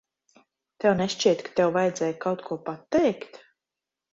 Tev nešķiet, ka tev vajadzēja kaut ko pateikt?